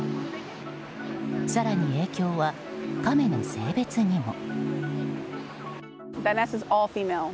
更に、影響はカメの性別にも。